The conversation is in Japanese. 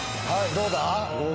どうだ？